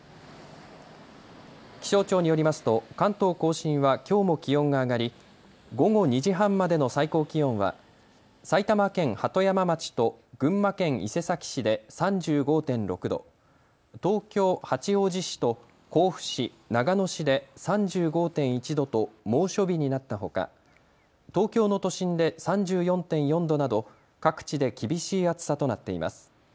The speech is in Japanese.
気象庁によりますと関東甲信はきょうも気温が上がり午後２時半までの最高気温は埼玉県鳩山町と群馬県伊勢崎市で３５．６度、東京八王子市と甲府市、長野市で３５．１度と猛暑日になったほか、東京の都心で３４．４度など各地で厳しい暑さとなっています。